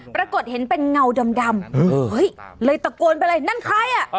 ปรากฏเห็นเป็นเงาดำเฮ้ยเลยตะโกนไปเลยนั่นใครอ่ะ